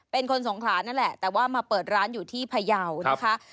เป็นคนสงขลานั่นแหละแต่ว่ามาเปิดร้านอยู่ที่พยาวนะคะ